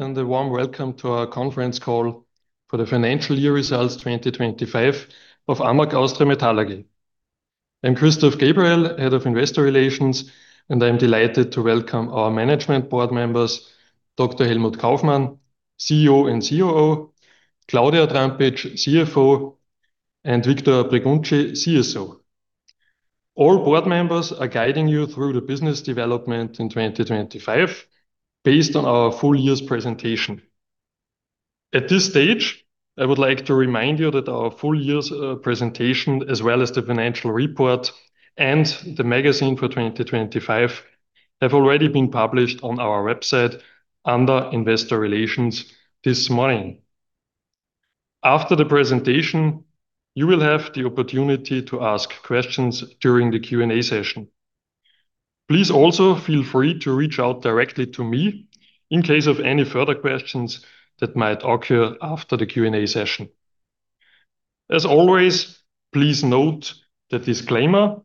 A warm welcome to our conference call for the financial year results 2025 of AMAG Austria Metall AG. I'm Christoph Gabriel, Head of Investor Relations, and I'm delighted to welcome our management board members, Dr. Helmut Kaufmann, CEO and COO, Claudia Trampitsch, CFO, and Victor Breguncci, CSO. All board members are guiding you through the business development in 2025, based on our full year's presentation. At this stage, I would like to remind you that our full year's presentation, as well as the financial report and the magazine for 2025, have already been published on our website under Investor Relations this morning. After the presentation, you will have the opportunity to ask questions during the Q&A session. Please also feel free to reach out directly to me in case of any further questions that might occur after the Q&A session. As always, please note the disclaimer,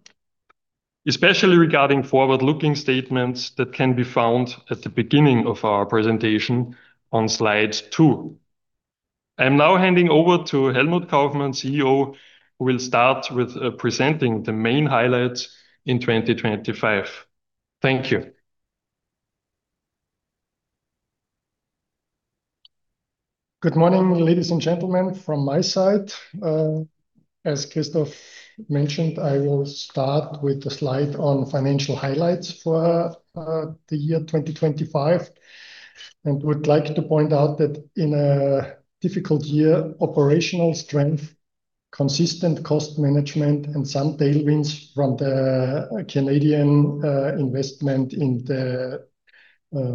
especially regarding forward-looking statements that can be found at the beginning of our presentation on slide two. I'm now handing over to Helmut Kaufmann, CEO, who will start with presenting the main highlights in 2025. Thank you. Good morning, ladies and gentlemen, from my side. As Christoph mentioned, I will start with the slide on financial highlights for the year 2025, and would like to point out that in a difficult year, operational strength, consistent cost management, and some tailwinds from the Canadian investment in the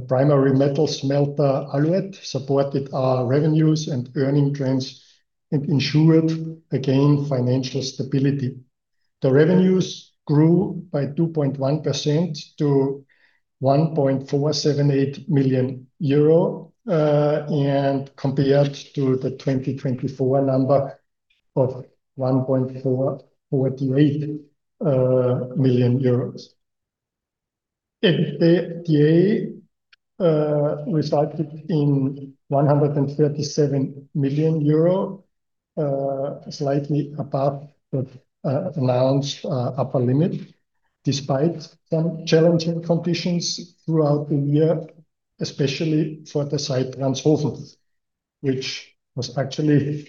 primary metal smelter, Alouette, supported our revenues and earning trends and ensured, again, financial stability. The revenues grew by 2.1% to 1.478 million euro, and compared to the 2024 number of 1.448 million euros. EBITDA resulted in 137 million euro, slightly above the announced upper limit, despite some challenging conditions throughout the year, especially for the site Landshut, which was actually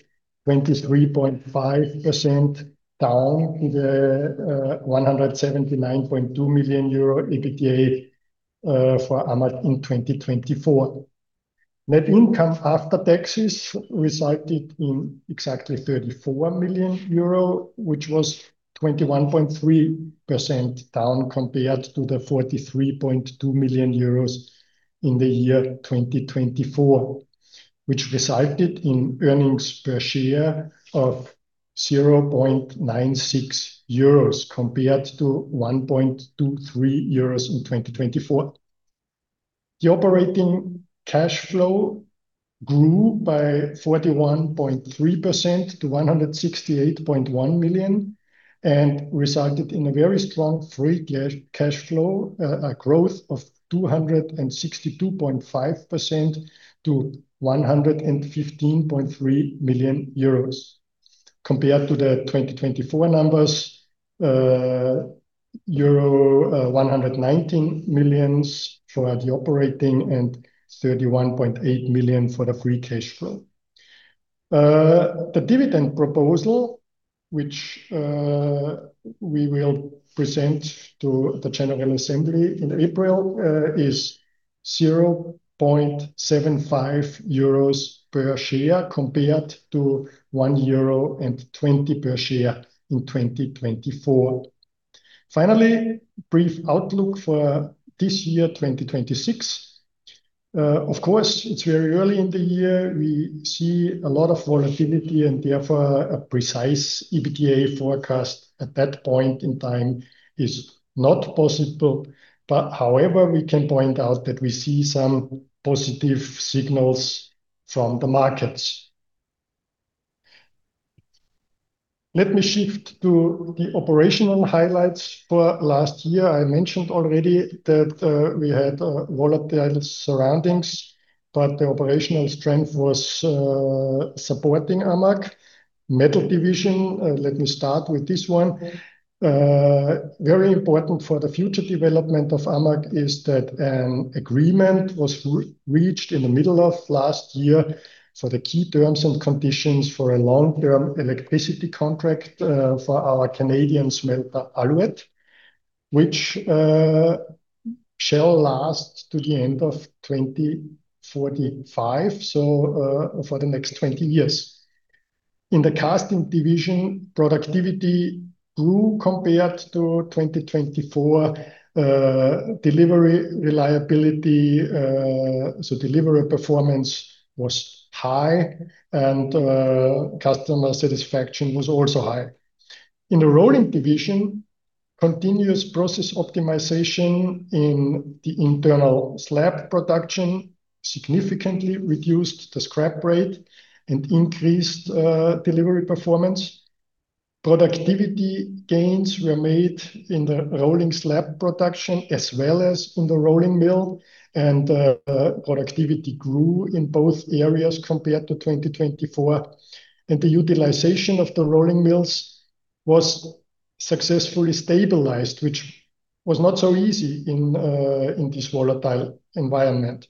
23.5% down the 179.2 million euro EBITDA for AMAG in 2024. Net income after taxes resulted in exactly 34 million euro, which was 21.3% down compared to the 43.2 million euros in the year 2024, which resulted in earnings per share of 0.96 euros, compared to 1.23 euros in 2024. The operating cash flow grew by 41.3% to 168.1 million, and resulted in a very strong free cash flow, a growth of 262.5% to 115.3 million euros. Compared to the 2024 numbers, euro 119 million for the operating, and 31.8 million for the free cash flow. The dividend proposal, which we will present to the Annual General Meeting in April, is 0.75 euros per share, compared to 1.20 euro per share in 2024. Finally, brief outlook for this year, 2026. Of course, it's very early in the year. We see a lot of volatility, and therefore, a precise EBITDA forecast at that point in time is not possible. However, we can point out that we see some positive signals from the markets. Let me shift to the operational highlights for last year. I mentioned already that we had volatile surroundings, but the operational strength was supporting AMAG. Metal division, let me start with this one. Very important for the future development of AMAG is that an agreement was re-reached in the middle of last year for the key terms and conditions for a long-term electricity contract for our Canadian smelter, Alouette, which shall last to the end of 2045, so for the next 20 years. In the Casting division, productivity grew compared to 2024. Delivery reliability, so delivery performance was high and customer satisfaction was also high. In the Rolling division, continuous process optimization in the internal slab production significantly reduced the scrap rate and increased delivery performance. Productivity gains were made in the rolling slab production, as well as in the rolling mill, and productivity grew in both areas compared to 2024. The utilization of the rolling mills was successfully stabilized, which was not so easy in this volatile environment.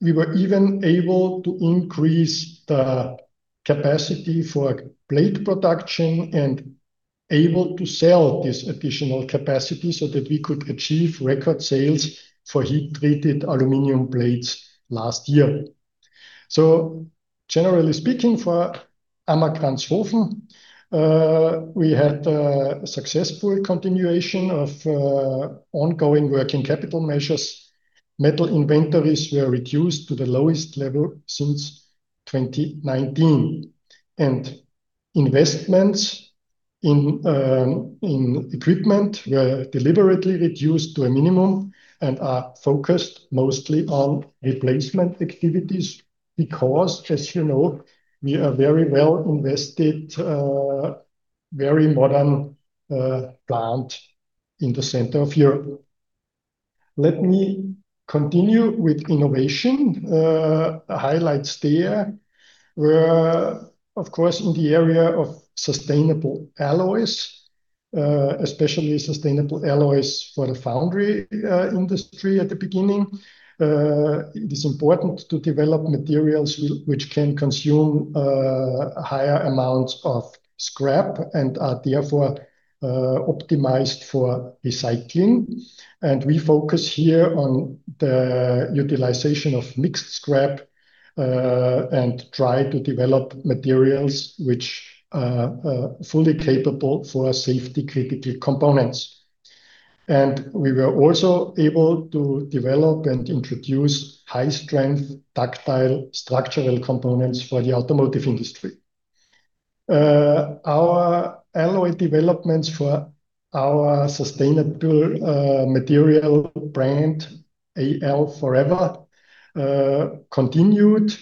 We were even able to increase the capacity for plate production and able to sell this additional capacity so that we could achieve record sales for heat-treated aluminum plates last year. Generally speaking, for AMAG Ranshofen, we had a successful continuation of ongoing working capital measures. Metal inventories were reduced to the lowest level since 2019, and investments in equipment were deliberately reduced to a minimum and are focused mostly on replacement activities. As you know, we are very well invested, very modern plant in the center of Europe. Let me continue with innovation. Highlights there were, of course, in the area of sustainable alloys, especially sustainable alloys for the foundry industry at the beginning. It is important to develop materials which can consume higher amounts of scrap and are therefore optimized for recycling. We focus here on the utilization of mixed scrap and try to develop materials which fully capable for safety critical components. We were also able to develop and introduce high strength, ductile structural components for the automotive industry. Our alloy developments for our sustainable material brand, AL4ever, continued.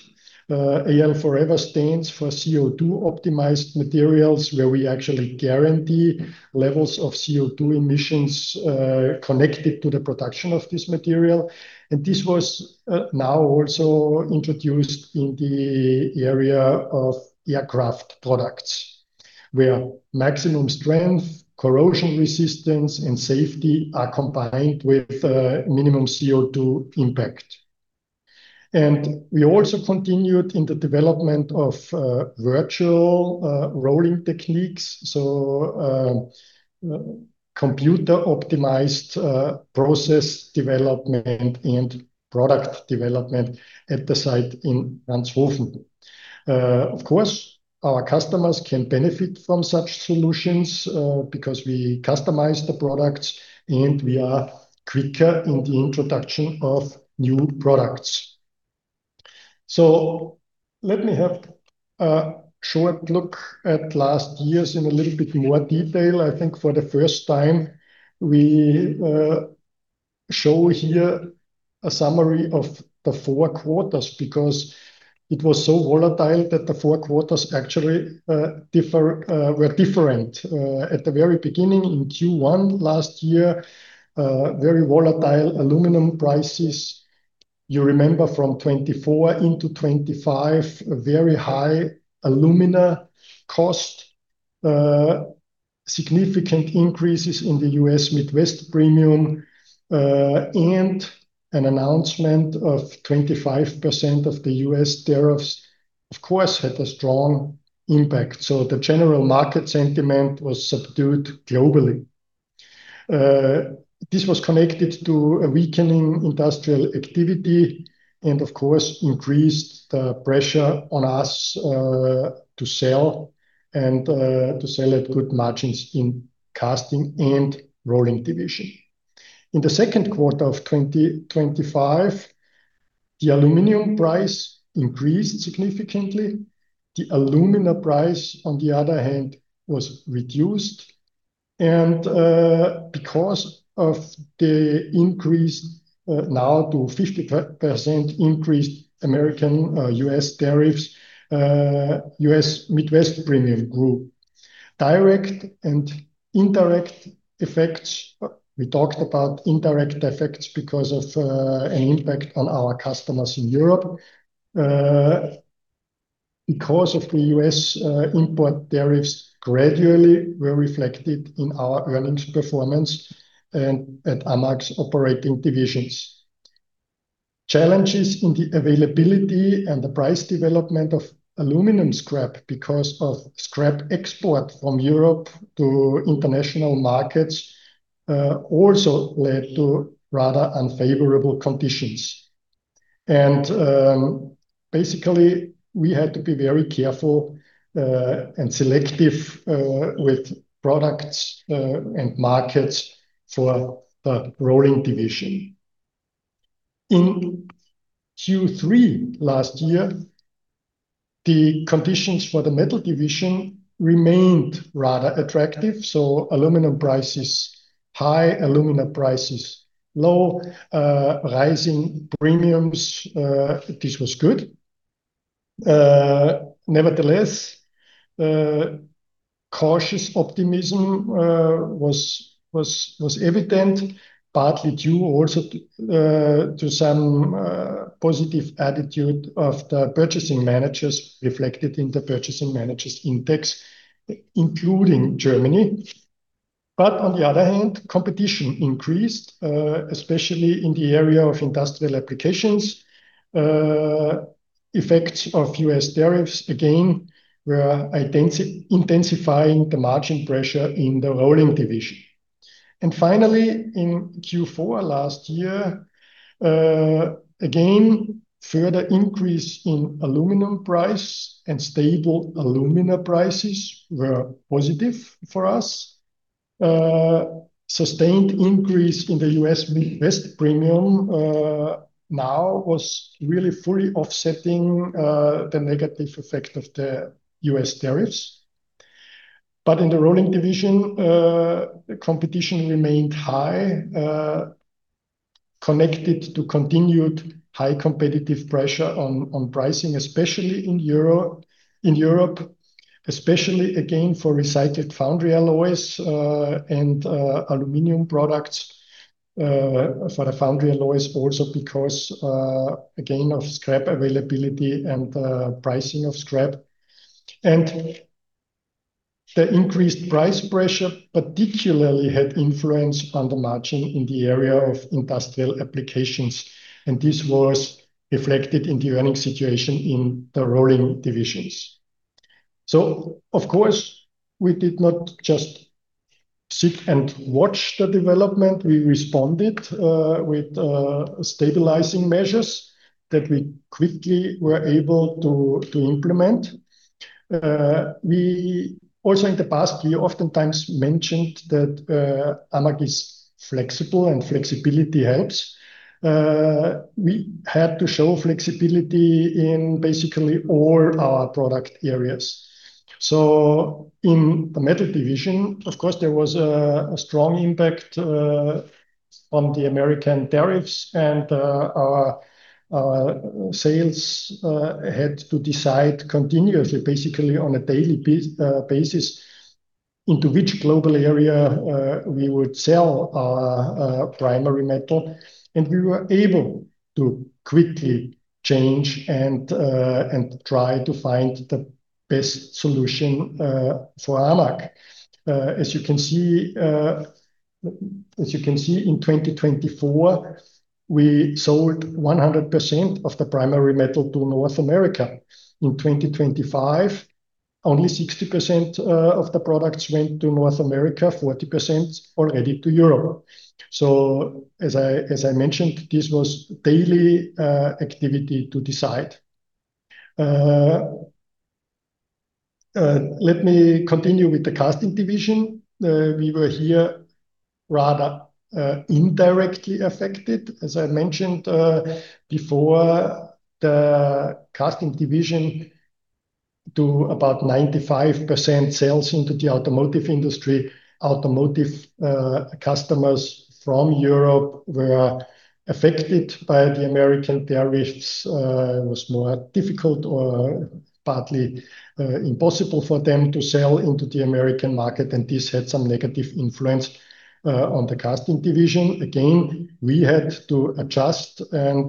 AL4ever stands for CO2 optimized materials, where we actually guarantee levels of CO2 emissions connected to the production of this material. This was now also introduced in the area of aircraft products, where maximum strength, corrosion resistance, and safety are combined with minimum CO2 impact. We also continued in the development of virtual rolling techniques. Computer optimized process development and product development at the site in Ranshofen. Of course, our customers can benefit from such solutions because we customize the products, and we are quicker in the introduction of new products. Let me have a short look at last year's in a little bit more detail. I think for the first time, we show here a summary of the four quarters, because it was so volatile that the four quarters actually differ, were different. At the very beginning, in Q1 last year, very volatile aluminum prices. You remember from 2024 into 2025, a very high alumina cost, significant increases in the U.S. Midwest Premium, and an announcement of 25% of the U.S. tariffs, of course, had a strong impact. The general market sentiment was subdued globally. This was connected to a weakening industrial activity and of course, increased the pressure on us, to sell and to sell at good margins in Casting and Rolling division. In the second quarter of 2025, the aluminum price increased significantly. The alumina price, on the other hand, was reduced, and because of the increase now to 50% increased American U.S. tariffs, U.S. Midwest Premium grew. Direct and indirect effects, we talked about indirect effects because of an impact on our customers in Europe. Because of the U.S. import tariffs gradually were reflected in our earnings performance and at AMAG's operating divisions. Challenges in the availability and the price development of aluminum scrap because of scrap export from Europe to international markets also led to rather unfavorable conditions. Basically, we had to be very careful and selective with products and markets for the Rolling division. In Q3 last year, the conditions for the Metal division remained rather attractive, so aluminum prices high alumina prices, low rising premiums, this was good. Nevertheless, cautious optimism was evident, partly due also to some positive attitude of the purchasing managers, reflected in the purchasing managers index, including Germany. On the other hand, competition increased, especially in the area of industrial applications. Effects of U.S. tariffs, again, were intensifying the margin pressure in the Rolling division. Finally, in Q4 last year, again, further increase in aluminum price and stable alumina prices were positive for us. Sustained increase in the U.S. Midwest Premium, now was really fully offsetting the negative effect of the U.S. tariffs. In the Rolling division, the competition remained high, connected to continued high competitive pressure on pricing, especially in Europe, especially again, for recycled foundry alloys, and aluminum products, for the foundry alloys also because, again, of scrap availability and pricing of scrap. The increased price pressure particularly had influence on the margin in the area of industrial applications, and this was reflected in the earning situation in the Rolling divisions. Of course, we did not just sit and watch the development. We responded with stabilizing measures that we quickly were able to implement. We also in the past, we oftentimes mentioned that AMAG is flexible and flexibility helps. We had to show flexibility in basically all our product areas. In the Metal division, of course, there was a strong impact on the American tariffs and our sales had to decide continuously, basically on a daily basis, into which global area we would sell our primary metal. We were able to quickly change and try to find the best solution for AMAG. As you can see, in 2024, we sold 100% of the primary metal to North America. In 2025, only 60% of the products went to North America, 40% already to Europe. As I mentioned, this was daily activity to decide. Let me continue with the casting division. We were here rather indirectly affected. As I mentioned, before, the casting division do about 95% sales into the automotive industry. Automotive, customers from Europe were affected by the American tariffs. It was more difficult or partly, impossible for them to sell into the American market, and this had some negative influence on the casting division. Again, we had to adjust, and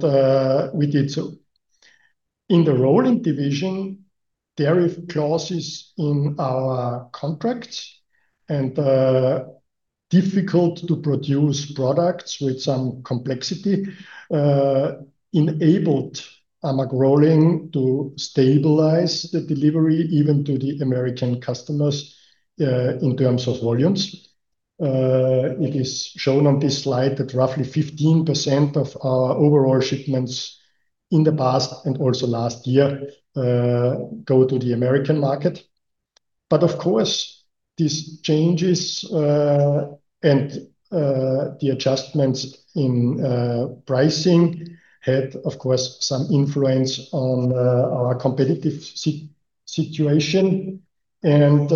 we did so. In the Rolling division, tariff clauses in our contracts and difficult to produce products with some complexity enabled AMAG Rolling to stabilize the delivery, even to the American customers, in terms of volumes. It is shown on this slide that roughly 15% of our overall shipments in the past and also last year go to the American market. Of course, these changes, and the adjustments in pricing had, of course, some influence on our competitive situation, and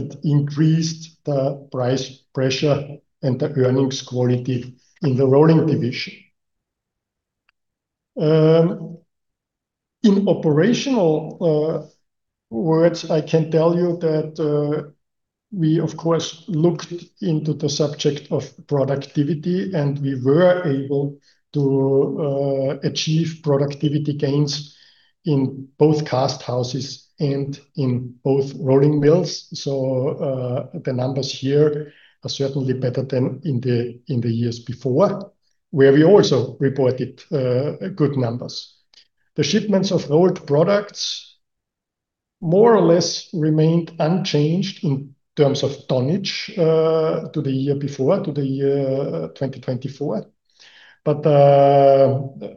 it increased the price pressure and the earnings quality in the rolling division. In operational words, I can tell you that we, of course, looked into the subject of productivity, and we were able to achieve productivity gains in both cast houses and in both rolling mills. The numbers here are certainly better than in the years before, where we also reported good numbers. The shipments of rolled products more or less remained unchanged in terms of tonnage, to the year before, to the year 2024. Let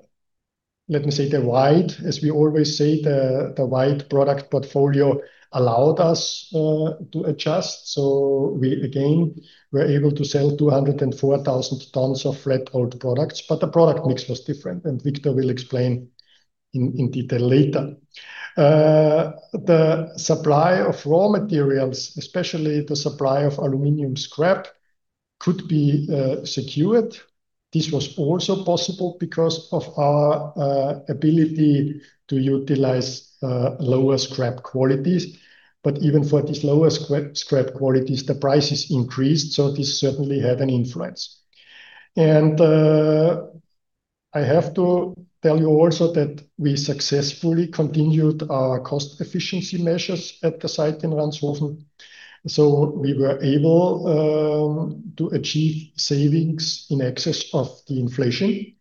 me say, the wide, as we always say, the wide product portfolio allowed us to adjust. We again, were able to sell 204,000 tons of flat rolled products, but the product mix was different, and Victor will explain in detail later. The supply of raw materials, especially the supply of aluminum scrap, could be secured. This was also possible because of our ability to utilize lower scrap qualities. Even for these lower scrap qualities, the prices increased, so this certainly had an influence. I have to tell you also that we successfully continued our cost efficiency measures at the site in Ranshofen. We were able to achieve savings in excess of the inflation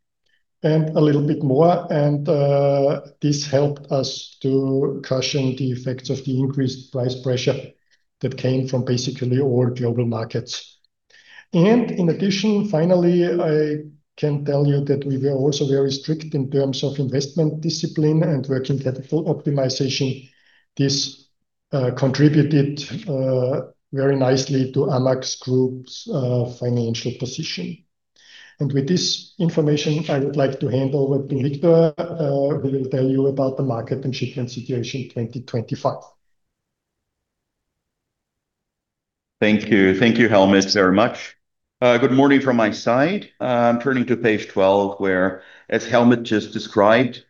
and a little bit more, and this helped us to cushion the effects of the increased price pressure that came from basically all global markets. In addition, finally, I can tell you that we were also very strict in terms of investment discipline and working capital optimization. This contributed very nicely to AMAG's Group's financial position. With this information, I would like to hand over to Victor, who will tell you about the market and shipment situation in 2025. Thank you. Thank you, Helmut, very much. Good morning from my side. I'm turning to page 12, where, as Helmut just described,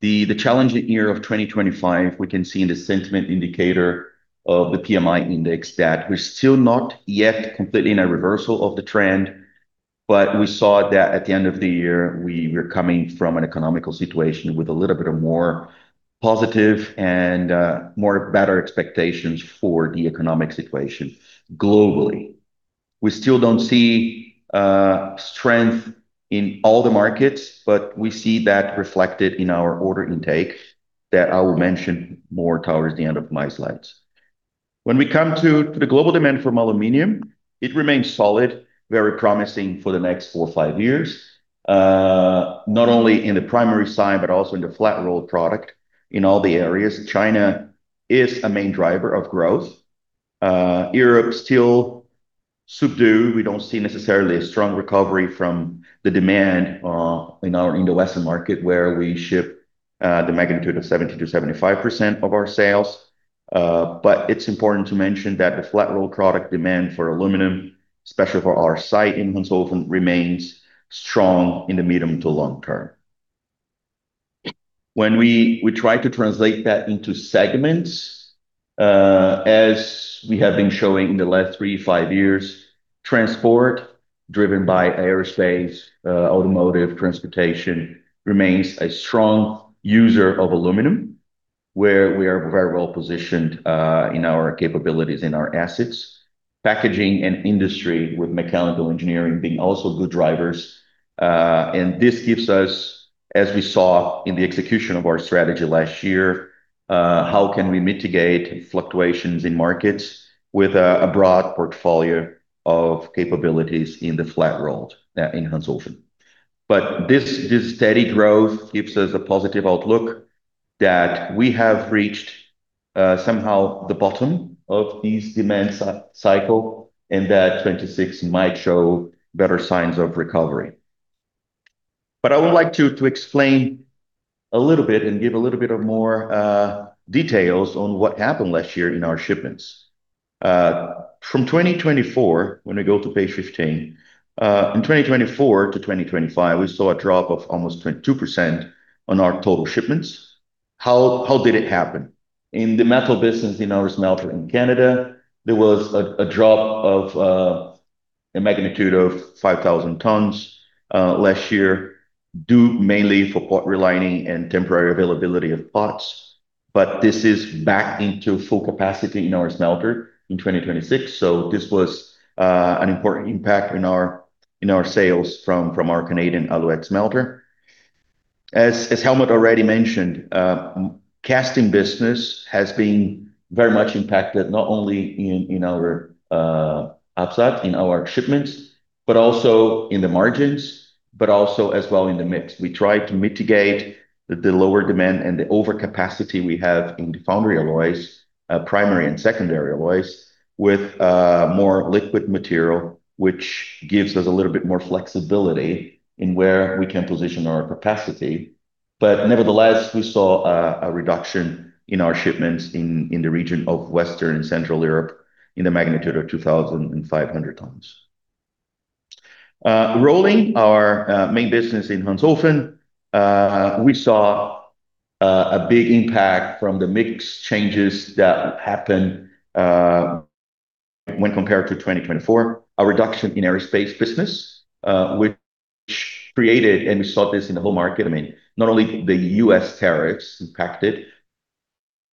the challenging year of 2025, we can see in the sentiment indicator of the PMI index that we're still not yet completely in a reversal of the trend. We saw that at the end of the year, we were coming from an economical situation with a little bit of more positive and more better expectations for the economic situation globally. We still don't see strength in all the markets, but we see that reflected in our order intake that I will mention more towards the end of my slides. We come to the global demand for aluminum, it remains solid, very promising for the next four, five years, not only in the primary side, but also in the flat roll product in all the areas. China is a main driver of growth. Europe still subdued. We don't see necessarily a strong recovery from the demand, in our, in the Western market, where we ship, the magnitude of 70%-75% of our sales. It's important to mention that the flat roll product demand for aluminum, especially for our site in Ranshofen, remains strong in the medium to long term. When we try to translate that into segments, as we have been showing in the last three, five years, transport, driven by aerospace, automotive, transportation, remains a strong user of aluminum, where we are very well positioned in our capabilities and our assets. Packaging and industry, with mechanical engineering being also good drivers. This gives us, as we saw in the execution of our strategy last year, how can we mitigate fluctuations in markets with a broad portfolio of capabilities in the flat world, in Ranshofen. This steady growth gives us a positive outlook that we have reached somehow the bottom of this demand cycle, and that 2026 might show better signs of recovery. I would like to explain a little bit and give a little bit more details on what happened last year in our shipments. From 2024, when we go to page 15, in 2024-2025, we saw a drop of almost 22% on our total shipments. How did it happen? In the metal business, in our smelter in Canada, there was a drop of a magnitude of 5,000 tons last year, due mainly for pot relining and temporary availability of pots. This is back into full capacity in our smelter in 2026, so this was an important impact in our sales from our Canadian Alouette smelter. As, as Helmut already mentioned, casting business has been very much impacted, not only in our, upsat, in our shipments, but also in the margins, but also as well in the mix. We tried to mitigate the lower demand and the overcapacity we have in the foundry alloys, primary and secondary alloys, with more liquid material, which gives us a little bit more flexibility in where we can position our capacity. Nevertheless, we saw a reduction in our shipments in the region of Western and Central Europe in the magnitude of 2,500 tons. Rolling our main business in Ranshofen, we saw a big impact from the mix changes that happened when compared to 2024. A reduction in aerospace business, which created, and we saw this in the whole market, I mean, not only the U.S. tariffs impacted,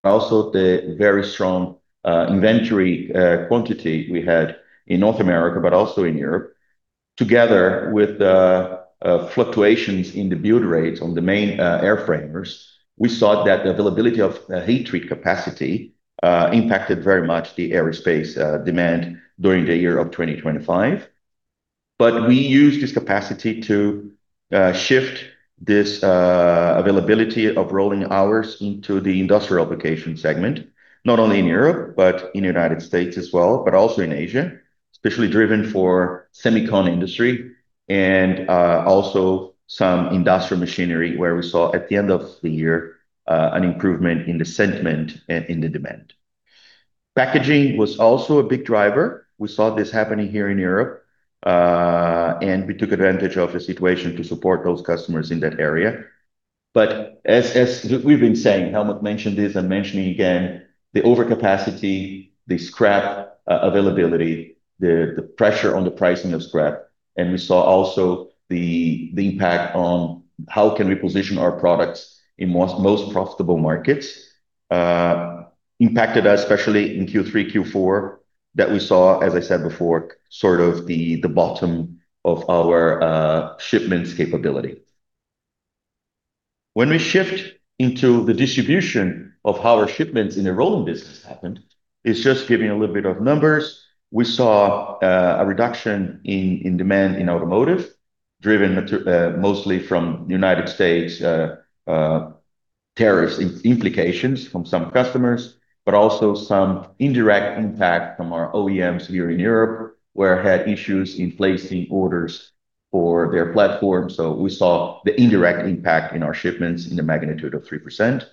but also the very strong inventory quantity we had in North America, but also in Europe. Together with the fluctuations in the build rates on the main airframers, we saw that the availability of heat treat capacity impacted very much the aerospace demand during the year of 2025. We used this capacity to shift this availability of rolling hours into the industrial application segment, not only in Europe, but in United States as well, but also in Asia, especially driven for semicon industry and also some industrial machinery, where we saw, at the end of the year, an improvement in the sentiment and in the demand. Packaging was also a big driver. We saw this happening here in Europe, we took advantage of the situation to support those customers in that area. As we've been saying, Helmut mentioned this, I'm mentioning again, the overcapacity, the scrap availability, the pressure on the pricing of scrap, we saw also the impact on how can we position our products in most profitable markets, impacted us, especially in Q3, Q4, that we saw, as I said before, sort of the bottom of our shipments capability. When we shift into the distribution of how our shipments in the rolling business happened, it's just giving a little bit of numbers. We saw a reduction in demand in automotive, driven to mostly from United States' tariffs implications from some customers, but also some indirect impact from our OEMs here in Europe, where had issues in placing orders for their platform. We saw the indirect impact in our shipments in the magnitude of 3%.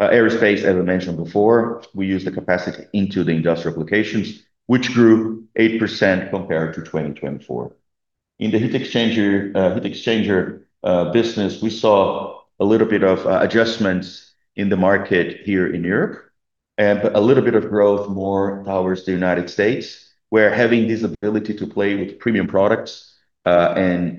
Aerospace, as I mentioned before, we used the capacity into the industrial applications, which grew 8% compared to 2024. In the heat exchanger business, we saw a little bit of adjustments in the market here in Europe, and but a little bit of growth more towards the United States, where having this ability to play with premium products, and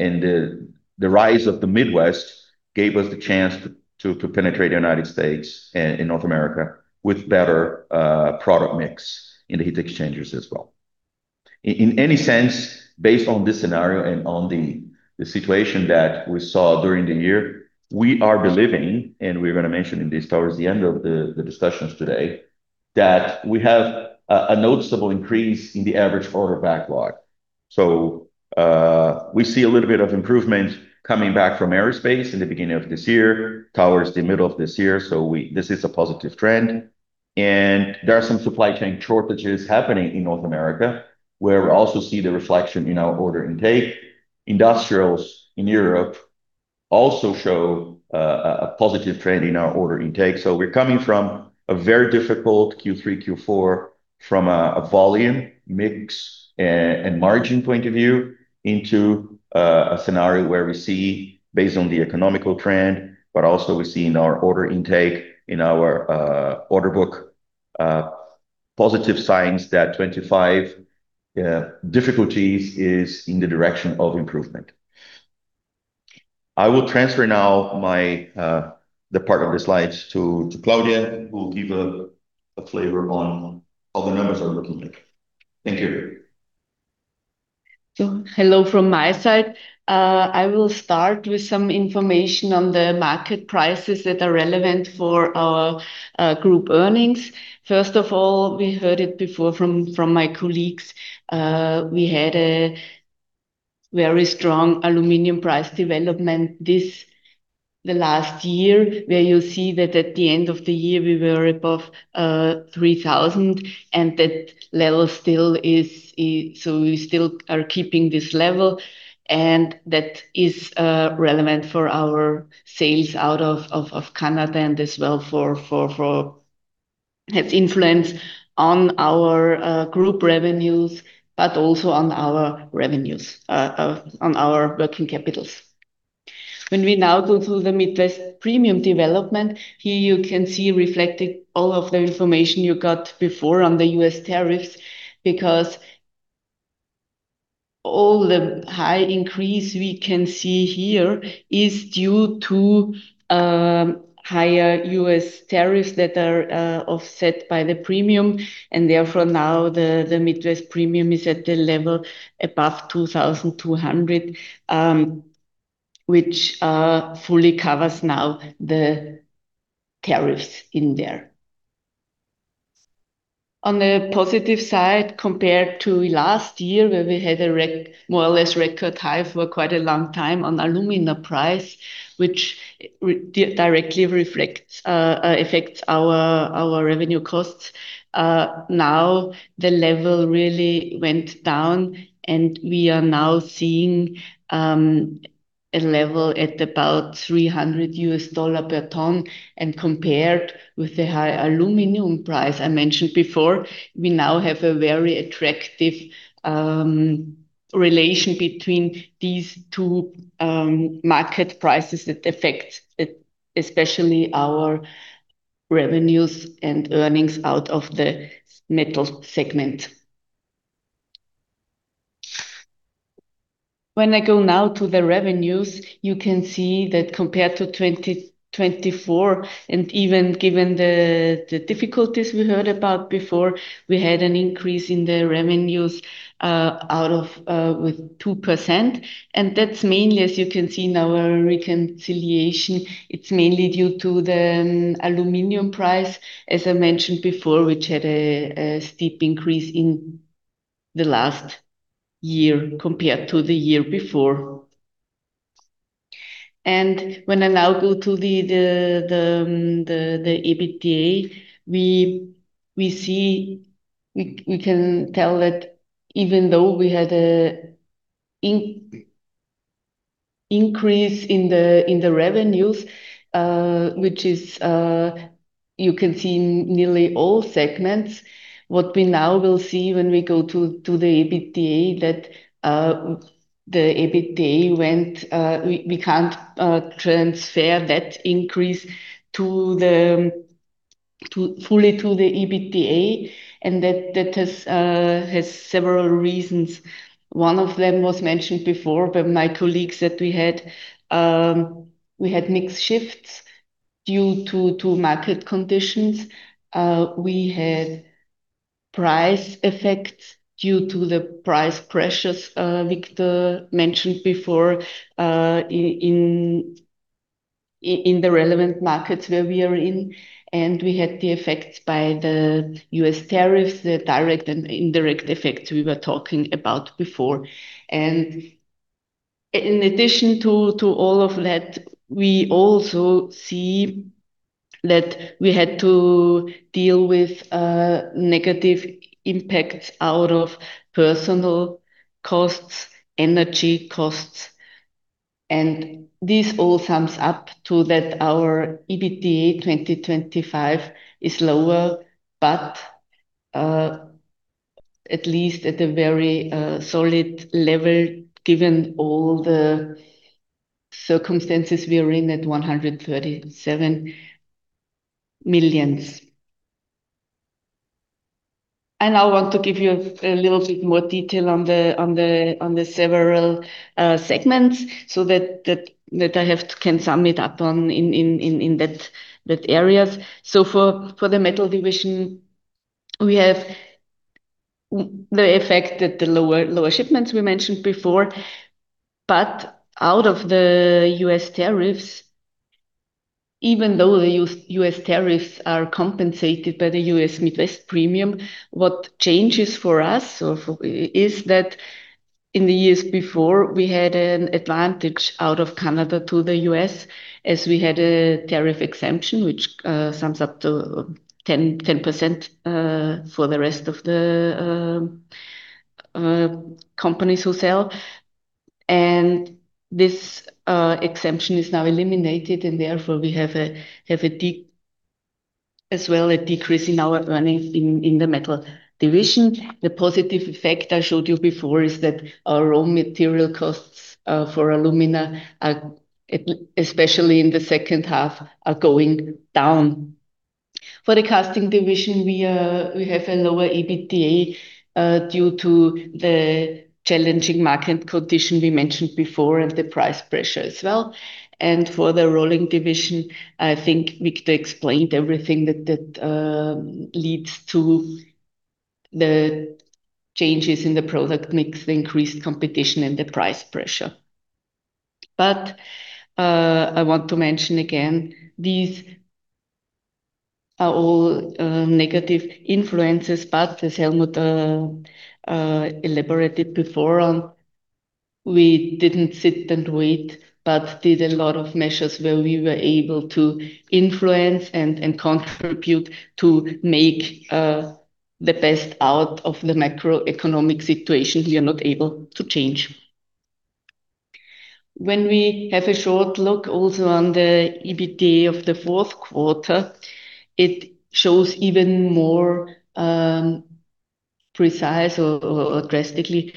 the rise of the Midwest gave us the chance to penetrate the United States and in North America with better product mix in the heat exchangers as well. In any sense, based on this scenario and on the situation that we saw during the year, we are believing, and we're gonna mention in this towards the end of the discussions today, that we have a noticeable increase in the average order backlog. We see a little bit of improvement coming back from aerospace in the beginning of this year, towards the middle of this year. This is a positive trend. There are some supply chain shortages happening in North America, where we also see the reflection in our order intake. Industrials in Europe also show a positive trend in our order intake. We're coming from a very difficult Q3, Q4 from a volume, mix and margin point of view, into a scenario where we see, based on the economical trend, but also we see in our order intake, in our order book, positive signs that 2025 difficulties is in the direction of improvement. I will transfer now my, the part of the slides to Claudia, who will give a flavor on how the numbers are looking like. Thank you. Hello from my side. I will start with some information on the market prices that are relevant for our group earnings. First of all, we heard it before from my colleagues, we had a very strong aluminum price development the last year, where you see that at the end of the year, we were above 3,000, and that level still is. We still are keeping this level. That is relevant for our sales out of Canada, and as well for has influence on our group revenues, but also on our revenues on our working capitals. We now go to the Midwest Premium development. Here you can see reflected all of the information you got before on the U.S. tariffs. All the high increase we can see here is due to higher U.S. tariffs that are offset by the premium. Now the Midwest Premium is at the level above $2,200, which fully covers now the tariffs in there. Compared to last year, where we had a more or less record high for quite a long time on alumina price, which directly affects our revenue costs, now the level really went down, and we are now seeing a level at about $300 per ton. Compared with the high aluminum price I mentioned before, we now have a very attractive relation between these two market prices that affect especially our revenues and earnings out of the metal segment. When I go now to the revenues, you can see that compared to 2024, and even given the difficulties we heard about before, we had an increase in the revenues out of with 2%, and that's mainly, as you can see in our reconciliation, it's mainly due to the aluminum price, as I mentioned before, which had a steep increase in the last year compared to the year before. When I now go to the EBITDA, we can tell that even though we had a. Increase in the, in the revenues, which is, you can see in nearly all segments. What we now will see when we go to the EBITDA, that the EBITDA went, we can't transfer that increase fully to the EBITDA. That has several reasons. One of them was mentioned before by my colleagues, that we had mix shifts due to market conditions. We had price effects due to the price pressures, Victor mentioned before, in the relevant markets where we are in, and we had the effects by the U.S. tariffs, the direct and indirect effects we were talking about before. In addition to all of that, we also see that we had to deal with negative impacts out of personal costs, energy costs. This all sums up to that our EBITDA 2025 is lower, but at least at a very solid level, given all the circumstances we are in at 137 million. I want to give you a little bit more detail on the several segments, so that I can sum it up in those areas. For the Metal division, we have the effect that the lower shipments we mentioned before, but out of the U.S. tariffs, even though the U.S. tariffs are compensated by the U.S. Midwest Premium, what changes for us or for. Is that in the years before, we had an advantage out of Canada to the U.S., as we had a tariff exemption, which sums up to 10% for the rest of the companies who sell. This exemption is now eliminated, and therefore we have a decrease in our earnings in the Metal division. The positive effect I showed you before is that our raw material costs for alumina especially in the second half, are going down. For the casting division, we have a lower EBITDA due to the challenging market condition we mentioned before, and the price pressure as well. For the Rolling division, I think Victor explained everything that leads to the changes in the product mix, the increased competition, and the price pressure. I want to mention again, these are all negative influences, but as Helmut elaborated before on, we didn't sit and wait, but did a lot of measures where we were able to influence and contribute to make the best out of the macroeconomic situation we are not able to change. When we have a short look also on the EBITDA of the fourth quarter, it shows even more precise or drastically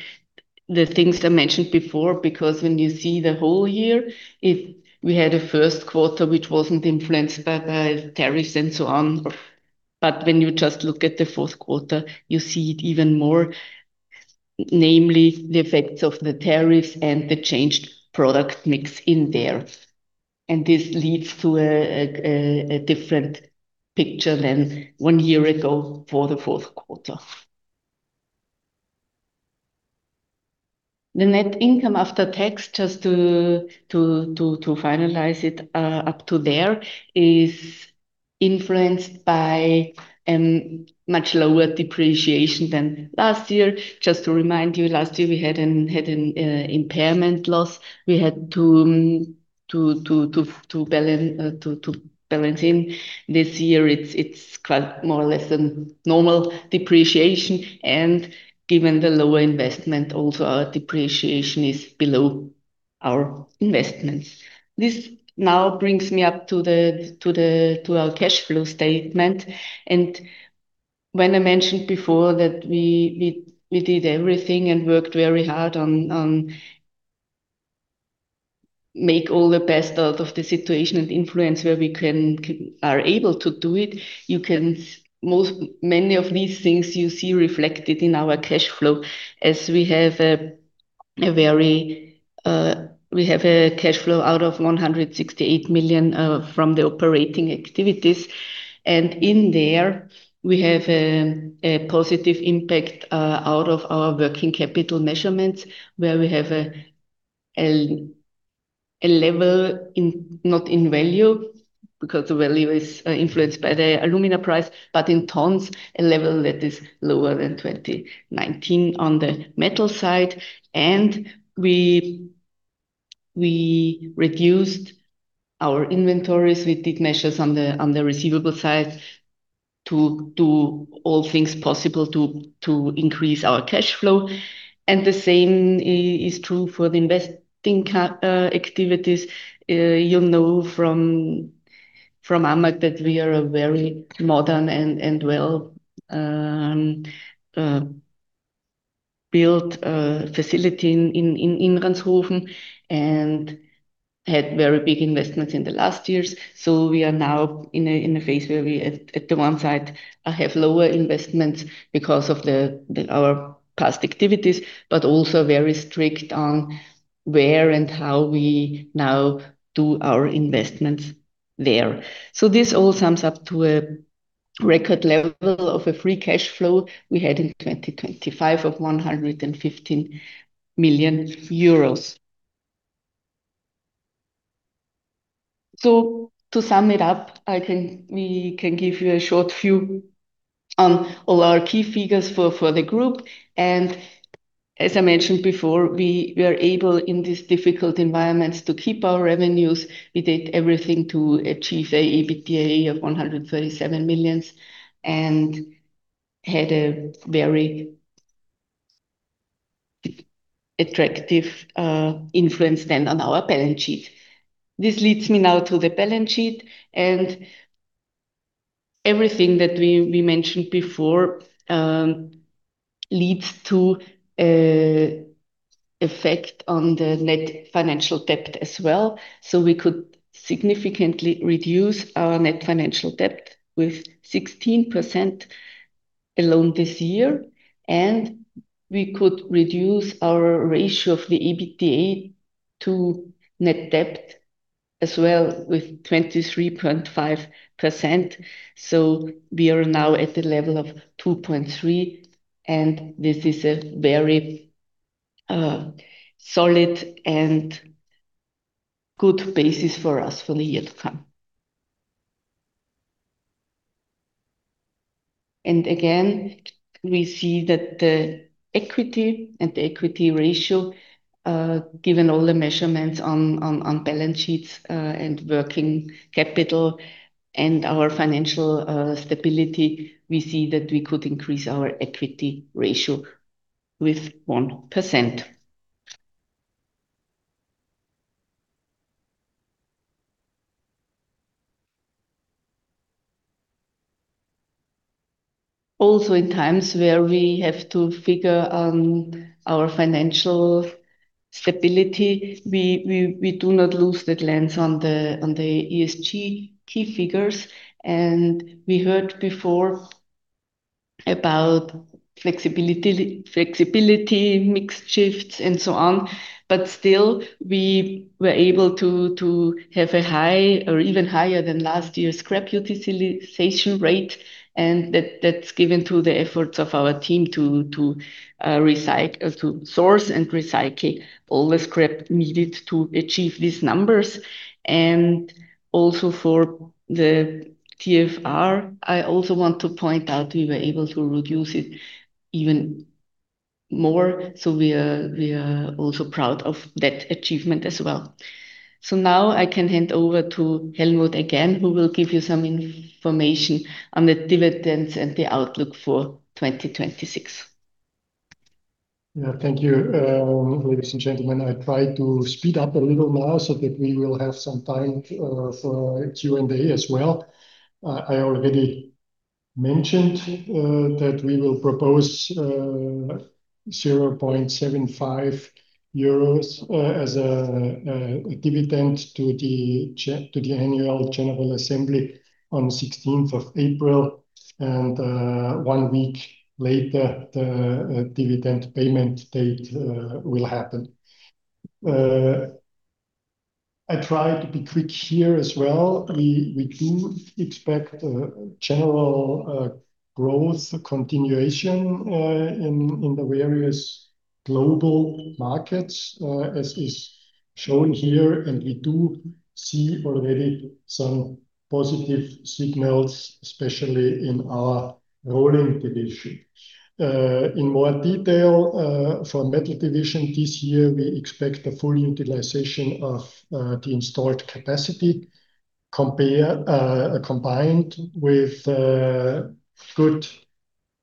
the things I mentioned before, because when you see the whole year, if we had a first quarter, which wasn't influenced by the tariffs and so on, but when you just look at the fourth quarter, you see it even more, namely the effects of the tariffs and the changed product mix in there. This leads to a different picture than one year ago for the fourth quarter. The net income after tax, just to finalize it up to there, is influenced by much lower depreciation than last year. Just to remind you, last year we had an impairment loss. We had to balance in. This year, it's quite more or less a normal depreciation, given the lower investment, also our depreciation is below our investments. This now brings me up to our cash flow statement. When I mentioned before that we did everything and worked very hard on make all the best out of the situation and influence where we are able to do it, many of these things you see reflected in our cash flow. We have a cash flow out of 168 million from the operating activities. In there, we have a positive impact out of our working capital measurements, where we have a level in, not in value, because the value is influenced by the alumina price, but in tons, a level that is lower than 2019 on the metal side. We reduced our inventories. We did measures on the receivable side to do all things possible to increase our cash flow. The same is true for the investing activities. You know, from AMAG that we are a very modern and well-built facility in Landshut and had very big investments in the last years. We are now in a phase where we, at the one side, have lower investments because of our past activities, but also very strict on where and how we now do our investments there. This all sums up to a record level of a free cash flow we had in 2025 of 115 million euros. To sum it up, we can give you a short view on all our key figures for the group. As I mentioned before, we are able, in these difficult environments, to keep our revenues. We did everything to achieve a EBITDA of 137 million, and had a very attractive influence then on our balance sheet. This leads me now to the balance sheet, everything that we mentioned before leads to a effect on the net financial debt as well. We could significantly reduce our net financial debt with 16% alone this year, we could reduce our ratio of the EBITDA to net debt as well, with 23.5%. We are now at the level of 2.3, and this is a very solid and good basis for us for the year to come. Again, we see that the equity and the equity ratio, given all the measurements on balance sheets, and working capital and our financial stability, we see that we could increase our equity ratio with 1%. Also, in times where we have to figure on our financial stability, we do not lose that lens on the ESG key figures. We heard before about flexibility, mix shifts, and so on, but still, we were able to have a high or even higher than last year scrap utilization rate. That's given to the efforts of our team to source and recycle all the scrap needed to achieve these numbers. Also for the TFR, I also want to point out we were able to reduce it even more, so we are also proud of that achievement as well. Now I can hand over to Helmut again, who will give you some information on the dividends and the outlook for 2026. Yeah. Thank you. Ladies and gentlemen, I try to speed up a little now so that we will have some time for Q&A as well. I already mentioned that we will propose 0.75 euros as a dividend to the Annual General Assembly on 16th of April. One week later, the dividend payment date will happen. I try to be quick here as well. We do expect a general growth continuation in the various global markets as is shown here. We do see already some positive signals, especially in our Rolling division. In more detail, for metal division, this year, we expect a full utilization of the installed capacity combined with good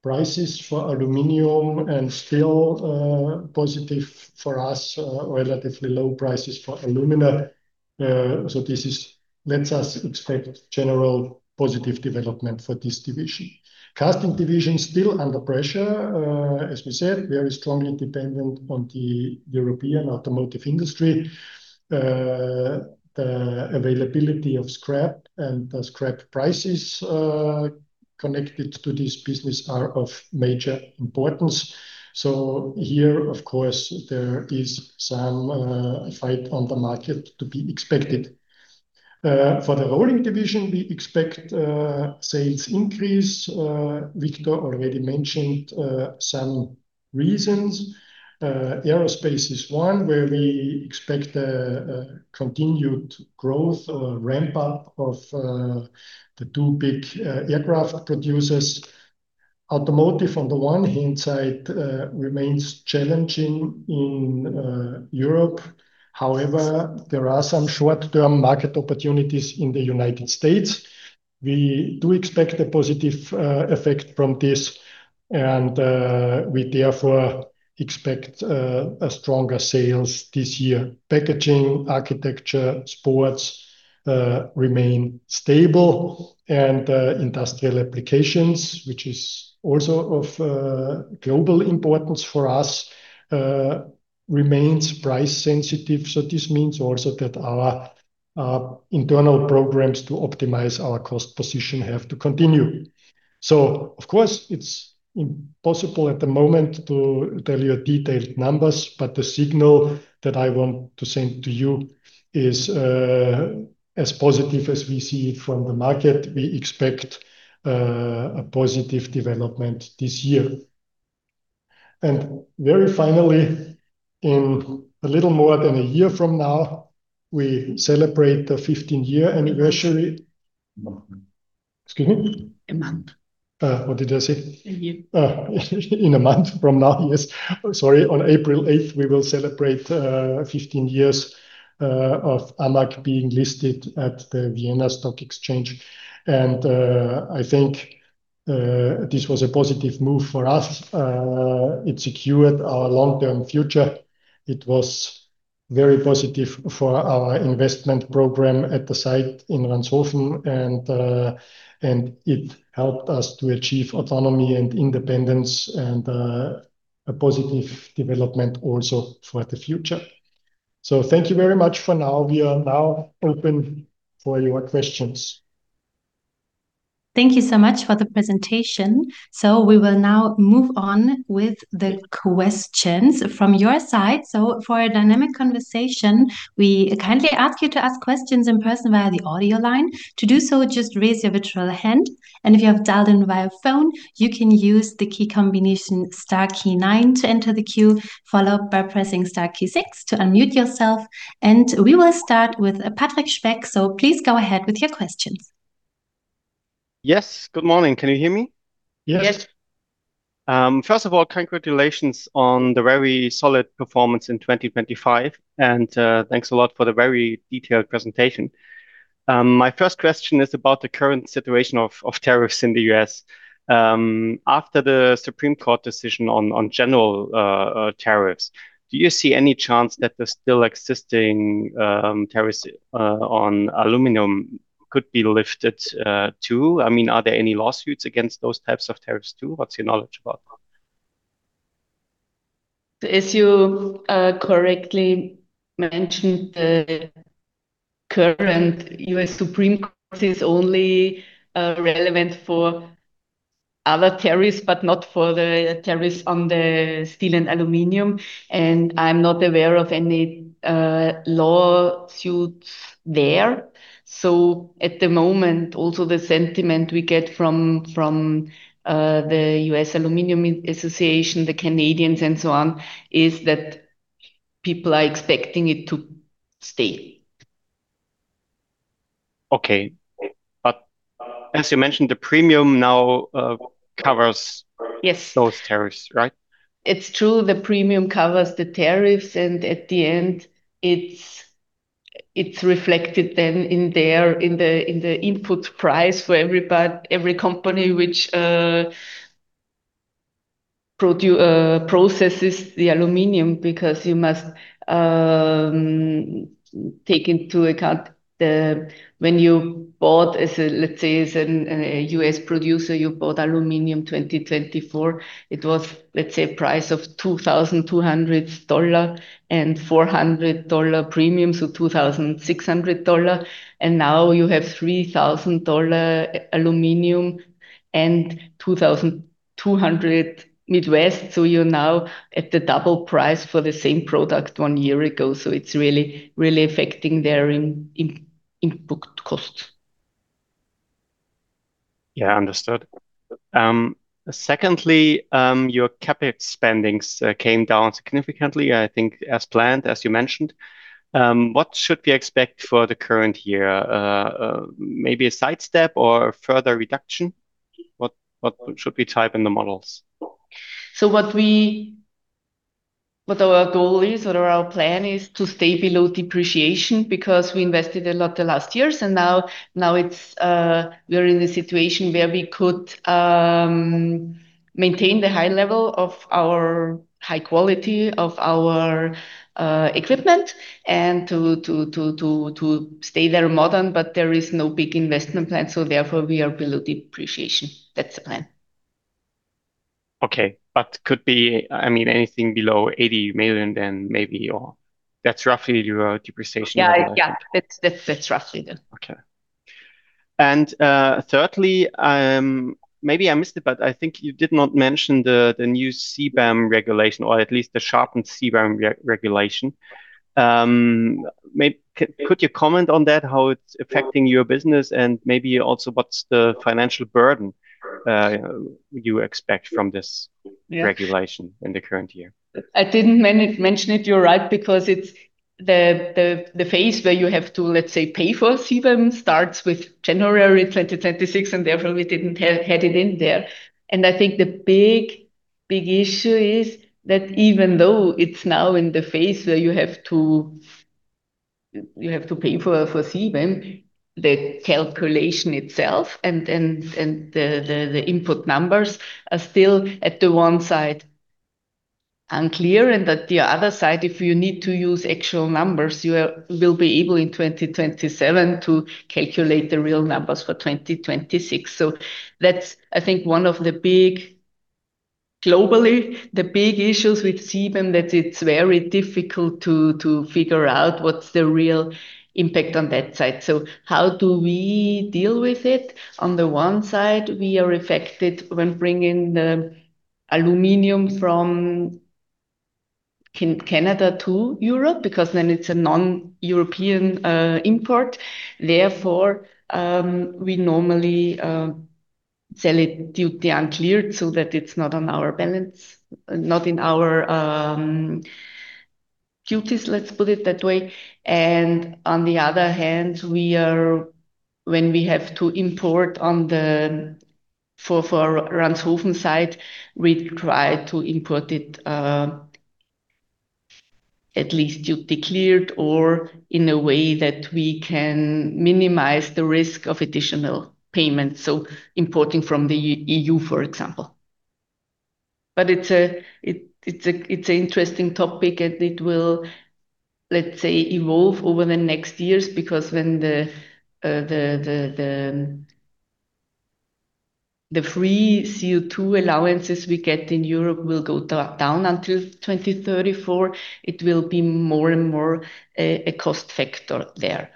prices for aluminum and still positive for us, relatively low prices for alumina. This lets us expect general positive development for this division. Casting division, still under pressure, as we said, very strongly dependent on the European automotive industry. The availability of scrap and the scrap prices connected to this business are of major importance. Here, of course, there is some fight on the market to be expected. For the rolling division, we expect sales increase. Victor already mentioned some reasons. Aerospace is one, where we expect a continued growth or ramp up of the two big aircraft producers. Automotive on the one hand side remains challenging in Europe. However, there are some short-term market opportunities in the United States. We do expect a positive effect from this, and we therefore expect a stronger sales this year. Packaging, architecture, sports remain stable and industrial applications, which is also of global importance for us, remains price sensitive. This means also that our internal programs to optimize our cost position have to continue. Of course, it's impossible at the moment to tell you detailed numbers, but the signal that I want to send to you is as positive as we see it from the market, we expect a positive development this year. Very finally, in a little more than a year from now, we celebrate the 15 year anniversary. Excuse me? A month. What did I say? A year. In a month from now, yes. Sorry. On April 8th, we will celebrate 15 years of AMAG being listed at the Vienna Stock Exchange. I think this was a positive move for us. It secured our long-term future. It was very positive for our investment program at the site in Landshut. It helped us to achieve autonomy and independence and a positive development also for the future. Thank you very much for now. We are now open for your questions. Thank you so much for the presentation. We will now move on with the questions from your side. For a dynamic conversation, we kindly ask you to ask questions in person via the audio line. To do so, just raise your virtual hand, and if you have dialed in via phone, you can use the key combination star key nine to enter the queue, followed by pressing star key six to unmute yourself. We will start with Patrick Speck, please go ahead with your questions. Yes. Good morning. Can you hear me? Yes. Yes. First of all, congratulations on the very solid performance in 2025, and thanks a lot for the very detailed presentation. My first question is about the current situation of tariffs in the U.S. After the Supreme Court decision on general tariffs, do you see any chance that the still existing tariffs on aluminum could be lifted too? I mean, are there any lawsuits against those types of tariffs too? What's your knowledge about that? As you correctly mentioned, the current Supreme Court of the United States is only relevant for other tariffs, but not for the tariffs on the steel and aluminum, and I'm not aware of any lawsuits there. At the moment, also the sentiment we get from The Aluminum Association, the Canadians and so on, is that people are expecting it to stay. Okay. As you mentioned, the premium now. Yes. Those tariffs, right? It's true, the premium covers the tariffs. At the end, it's reflected then in there, in the input price for every company which processes the aluminum, because you must take into account the. When you bought as a, let's say, as a U.S. producer, you bought aluminum 2024, it was, let's say, a price of $2,200 and $400 premium, so $2,600. Now you have $3,000 aluminum and $2,200 Midwest, so you're now at the double price for the same product one year ago. It's really, really affecting their input cost. Yeah. Understood. Secondly, your CapEx spendings came down significantly, I think as planned, as you mentioned. What should we expect for the current year? Maybe a sidestep or a further reduction? What should we type in the models? What our goal is or our plan is to stay below depreciation, because we invested a lot the last years, and now it's we're in a situation where we could maintain the high level of our high quality of our equipment and to stay very modern, but there is no big investment plan, so therefore, we are below depreciation. That's the plan. Could be, I mean, anything below 80 million, maybe, or that's roughly your depreciation? Yeah. Yeah. It's, that's roughly it. Okay. Thirdly, maybe I missed it, but I think you did not mention the new CBAM regulation, or at least the sharpened CBAM regulation. Could you comment on that, how it's affecting your business, and maybe also, what's the financial burden you expect from this? Yes. Regulation in the current year? I didn't mention it, you're right, because it's the phase where you have to, let's say, pay for CBAM starts with January 2026, and therefore we didn't have had it in there. I think the big issue is that even though it's now in the phase where you have to pay for CBAM, the calculation itself and the input numbers are still at the one side unclear, and at the other side, if you need to use actual numbers, you will be able in 2027 to calculate the real numbers for 2026. That's, I think, one of the big globally, the big issues with CBAM, that it's very difficult to figure out what's the real impact on that side. How do we deal with it? On the one side, we are affected when bringing the aluminum from Canada to Europe, because then it's a non-European import. Therefore, we normally sell it duty uncleared, so that it's not on our balance, not in our duties, let's put it that way. On the other hand, we are, when we have to import on the for Ranshofen site, we try to import it at least duty cleared or in a way that we can minimize the risk of additional payments, so importing from the EU, for example. It's an interesting topic, and it will, let's say, evolve over the next years, because when the free CO2 allowances we get in Europe will go down until 2034, it will be more and more a cost factor there.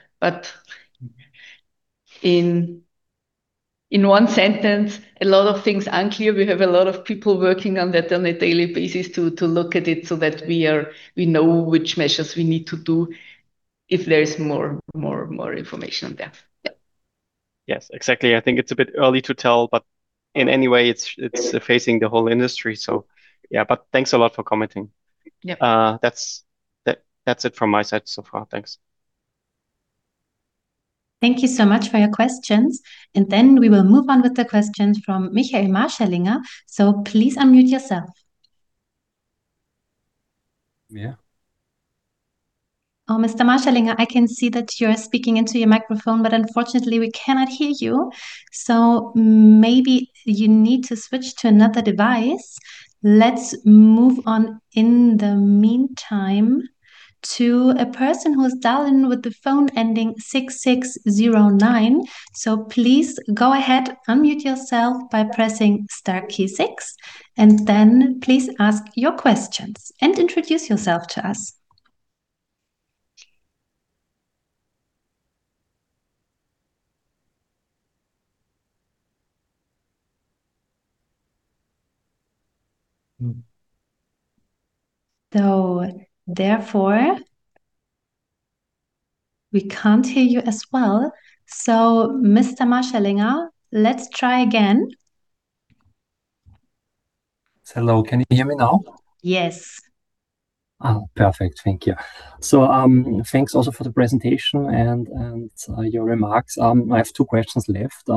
In one sentence, a lot of things unclear. We have a lot of people working on that on a daily basis to look at it so that we know which measures we need to do if there is more information on that. Yep. Yes, exactly. I think it's a bit early to tell, but in any way, it's affecting the whole industry. Yeah, but thanks a lot for commenting. Yep. That's it from my side so far. Thanks. Thank you so much for your questions. We will move on with the questions from Michael Marschallinger. Please unmute yourself. Yeah. Oh, Mr. Marschallinger, I can see that you are speaking into your microphone, but unfortunately, we cannot hear you, so maybe you need to switch to another device. Let's move on in the meantime to a person who has dialed in with the phone ending 6609. Please go ahead, unmute yourself by pressing star key six, and then please ask your questions and introduce yourself to us. Therefore, we can't hear you as well. Mr. Marschallinger, let's try again. Hello. Can you hear me now? Yes. Oh, perfect. Thank you. Thanks also for the presentation and your remarks. I have two questions left.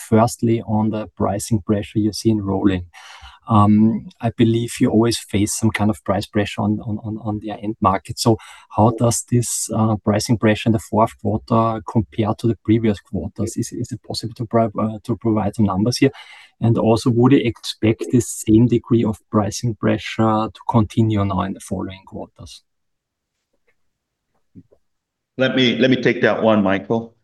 Firstly, on the pricing pressure you see in rolling. I believe you always face some kind of price pressure on the end market. How does this pricing pressure in the fourth quarter compare to the previous quarters? Is it possible to provide some numbers here? Would you expect the same degree of pricing pressure to continue now in the following quarters? Let me take that one, Michael.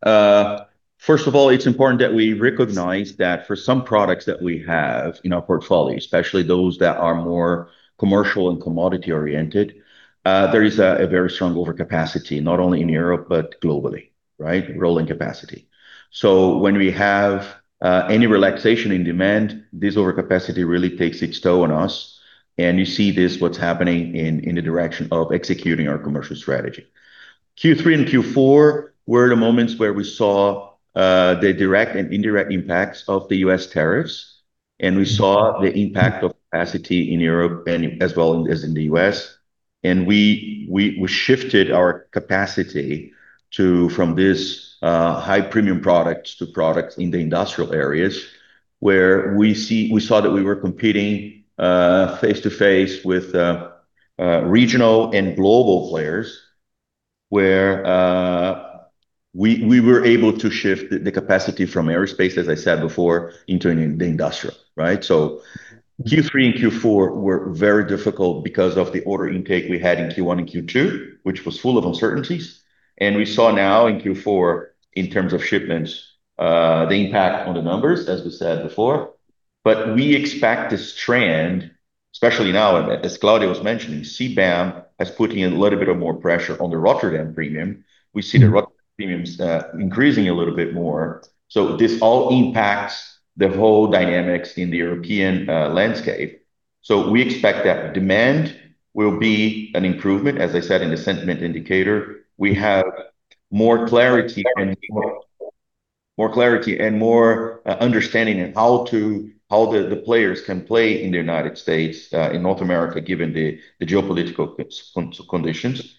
First of all, it's important that we recognize that for some products that we have in our portfolio, especially those that are more commercial and commodity-oriented, there is a very strong overcapacity, not only in Europe, but globally, right? Rolling capacity. When we have any relaxation in demand, this overcapacity really takes its toll on us, and you see this, what's happening in the direction of executing our commercial strategy. Q3 and Q4 were the moments where we saw the direct and indirect impacts of the U.S. tariffs, and we saw the impact of capacity in Europe and as well as in the U.S., and we shifted our capacity to. From this high-premium products to products in the industrial areas, where we saw that we were competing face-to-face with regional and global players, where we were able to shift the capacity from aerospace, as I said before, into the industrial, right? Q3 and Q4 were very difficult because of the order intake we had in Q1 and Q2, which was full of uncertainties. We saw now in Q4, in terms of shipments, the impact on the numbers, as we said before. We expect this trend, especially now, and as Helmut Kaufmann was mentioning, CBAM is putting a little bit of more pressure on the Rotterdam Premium. We see the Rotterdam Premiums increasing a little bit more. This all impacts the whole dynamics in the European landscape. We expect that demand will be an improvement, as I said, in the sentiment indicator. We have more clarity and more understanding in how the players can play in the United States, in North America, given the geopolitical conditions.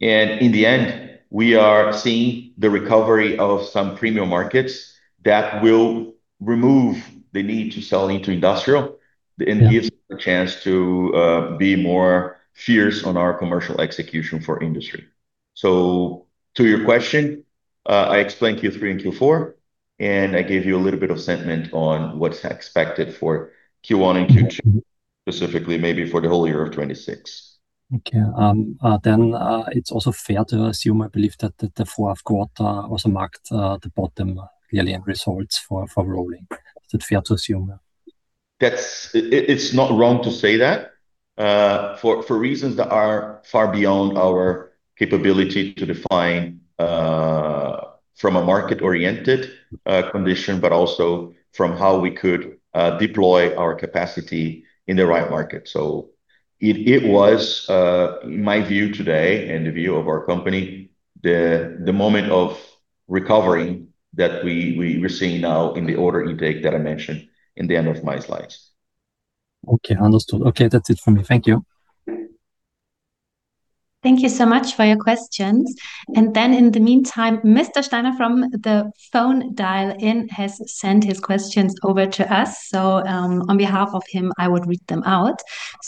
In the end, we are seeing the recovery of some premium markets that will remove the need to sell into industrial. And gives a chance to be more fierce on our commercial execution for industry. To your question, I explained Q3 and Q4, and I gave you a little bit of sentiment on what's expected for Q1 and Q2. Mm-hmm Specifically maybe for the whole year of 2026. Okay. It's also fair to assume, I believe, that the fourth quarter also marked the bottom yearly end results for rolling. Is it fair to assume? It's not wrong to say that, for reasons that are far beyond our capability to define, from a market-oriented condition, but also from how we could deploy our capacity in the right market. It was my view today, and the view of our company, the moment of recovery that we're seeing now in the order intake that I mentioned in the end of my slides. Okay, understood. Okay, that's it for me. Thank you. Thank you so much for your questions. In the meantime, Mr. Steiner, from the phone dial-in, has sent his questions over to us. On behalf of him, I would read them out.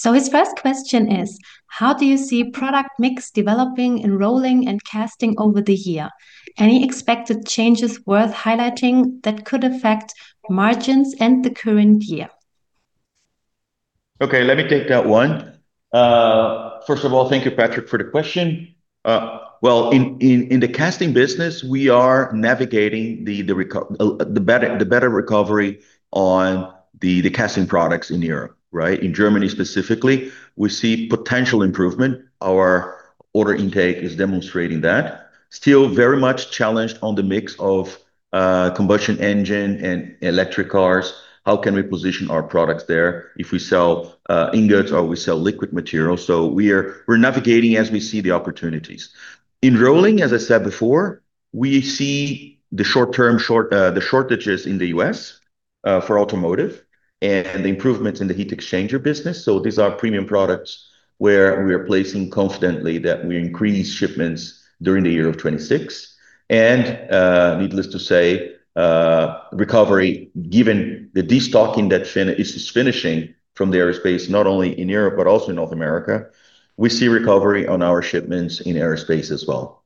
His first question is: How do you see product mix developing in rolling and casting over the year? Any expected changes worth highlighting that could affect margins and the current year? Okay, let me take that one. First of all, thank you, Patrick, for the question. Well, in the casting business, we are navigating the better recovery on the casting products in Europe, right? In Germany specifically, we see potential improvement. Our order intake is demonstrating that. Still very much challenged on the mix of combustion engine and electric cars. How can we position our products there if we sell ingots or we sell liquid materials? We're navigating as we see the opportunities. In rolling, as I said before, we see the short-term shortages in the U.S. for automotive and the improvements in the heat exchanger business. These are premium products where we are placing confidently that we increase shipments during the year of 2026. Needless to say, recovery, given the destocking that is finishing from the aerospace, not only in Europe but also in North America, we see recovery on our shipments in aerospace as well.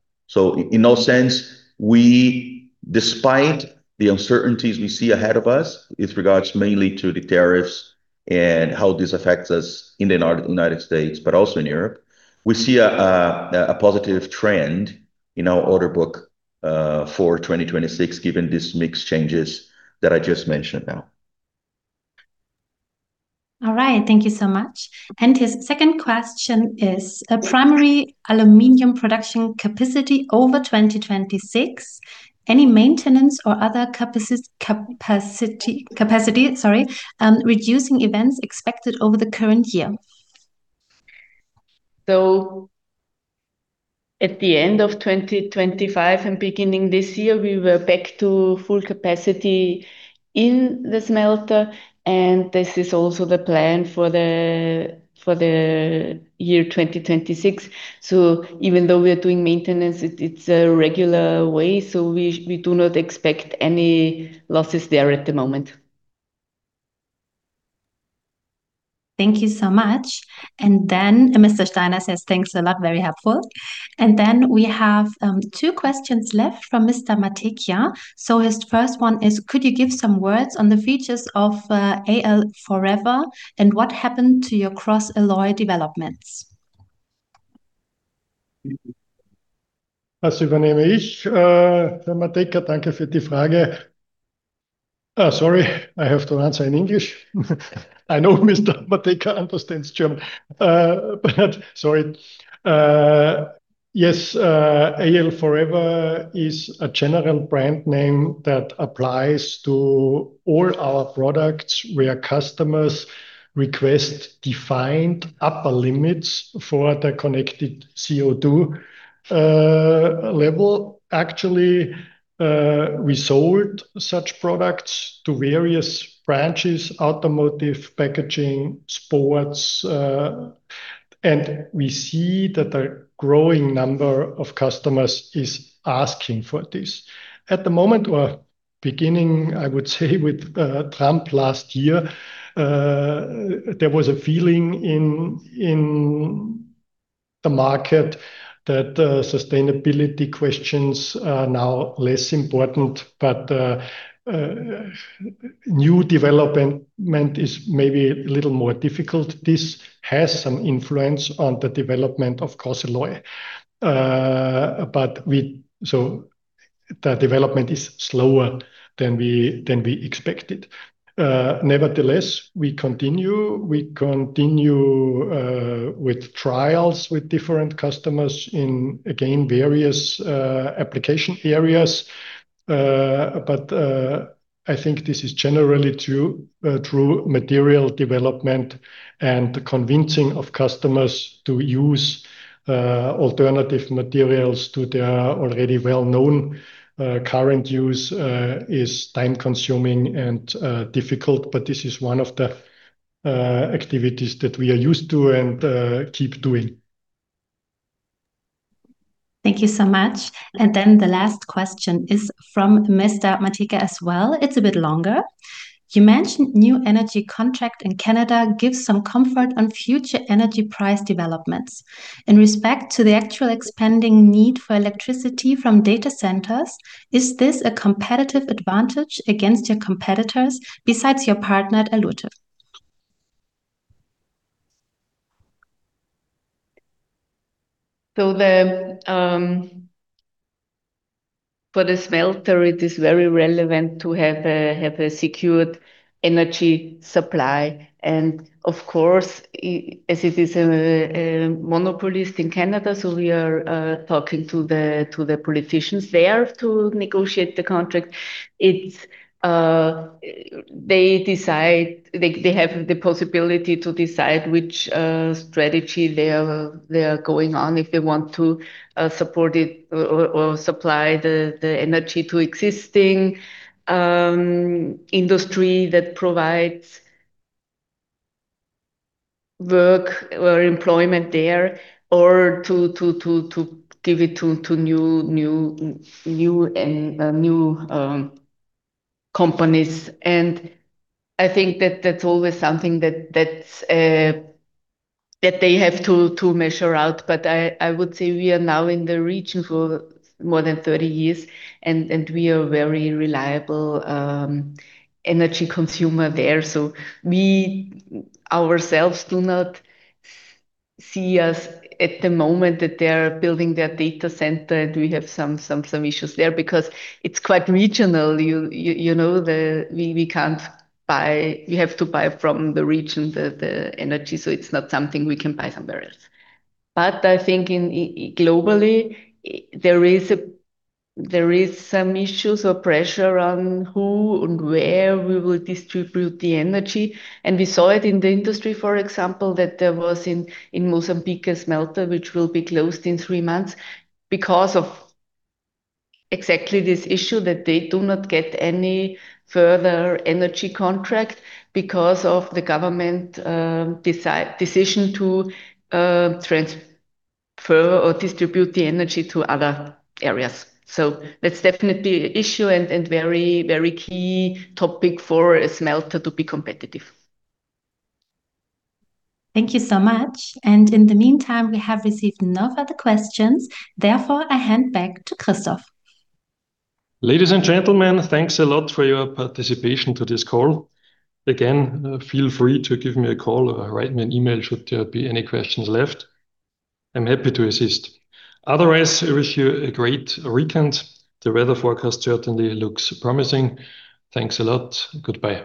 In all sense, we, despite the uncertainties we see ahead of us, with regards mainly to the tariffs and how this affects us in the United States, but also in Europe, we see a positive trend in our order book for 2026, given this mix changes that I just mentioned now. All right. Thank you so much. His second question is, a primary aluminum production capacity over 2026, any maintenance or other capacity, sorry, reducing events expected over the current year? At the end of 2025 and beginning this year, we were back to full capacity in the smelter, and this is also the plan for the year 2026. Even though we are doing maintenance, it's a regular way, so we do not expect any losses there at the moment. Thank you so much. Mr. Steiner says, "Thanks a lot. Very helpful." We have two questions left from Mr. Matejka. His first one is: Could you give some words on the features of AMAG AL4ever, and what happened to your CrossAlloy developments? As you were named, Christian Matejka, thank you for the Frage. Sorry, I have to answer in English. I know Mr. Matejka understands German, but sorry. AMAG AL4ever is a general brand name that applies to all our products, where customers request defined upper limits for the connected CO2 level. Actually, we sold such products to various branches, automotive, packaging, sports, and we see that a growing number of customers is asking for this. At the moment, or beginning, I would say, with Trump last year, there was a feeling in the market that sustainability questions are now less important, but new development is maybe a little more difficult. This has some influence on the development of CrossAlloy. The development is slower than we expected. Nevertheless, we continue. We continue with trials with different customers in, again, various application areas. I think this is generally true material development and the convincing of customers to use alternative materials to their already well-known current use, is time-consuming and difficult, but this is one of the activities that we are used to and keep doing. Thank you so much. The last question is from Mr. [Matejka] as well. It's a bit longer. You mentioned new energy contract in Canada gives some comfort on future energy price developments. In respect to the actual expanding need for electricity from data centers, is this a competitive advantage against your competitors besides your partner at Alouette? For the smelter, it is very relevant to have a secured energy supply, and of course, as it is a monopolist in Canada, we are talking to the politicians there to negotiate the contract. It's they have the possibility to decide which strategy they are going on, if they want to support it or supply the energy to existing industry that provides work or employment there, or to give it to new companies. I think that that's always something that's that they have to measure out. I would say we are now in the region for more than 30 years, and we are very reliable energy consumer there. We ourselves do not see us at the moment that they're building their data center, and we have some issues there, because it's quite regional, you know, we have to buy from the region, the energy, so it's not something we can buy somewhere else. I think globally, there is some issues or pressure on who and where we will distribute the energy. We saw it in the industry, for example, that there was in Mozambique, a smelter, which will be closed in three months because of exactly this issue, that they do not get any further energy contract because of the government decision to transfer or distribute the energy to other areas. That's definitely an issue and very, very key topic for a smelter to be competitive. Thank you so much. In the meantime, we have received no further questions. Therefore, I hand back to Christoph. Ladies and gentlemen, thanks a lot for your participation to this call. Again, feel free to give me a call or write me an email should there be any questions left. I'm happy to assist. Otherwise, I wish you a great weekend. The weather forecast certainly looks promising. Thanks a lot. Goodbye.